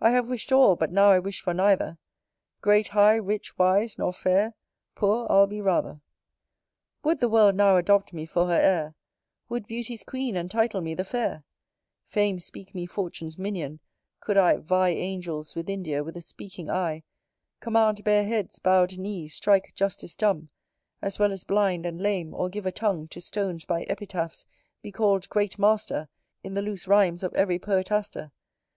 I have wish'd all, but now I wish for neither. Great, high, rich, wise, nor fair: poor I'll be rather. Would the World now adopt me for her heir; Would beauty's Queen entitle me the fair; Fame speak me fortune's minion, could I "vie Angels" with India with a speaking eye Command bare heads, bow'd knees, strike justice dumb, As well as blind and lame, or give a tongue To stones by epitaphs, be call'd "great master" In the loose rhymes of every poetaster?